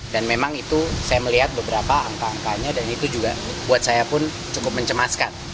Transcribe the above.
dan memang itu saya melihat beberapa angka angkanya dan itu juga buat saya pun cukup mencemaskan